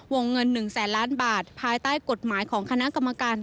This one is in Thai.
วงเงิน๑แสนล้านบาทภายใต้กฎหมายของคณะกรรมการ